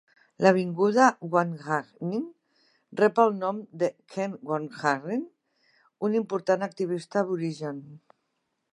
L'avinguda Wanganeen rep el nom de Ken Wanganeen, un important activista aborigen.